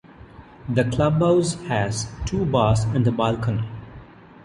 The club house has two bars and a balcony.